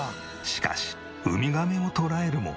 しかしウミガメを捉えるも。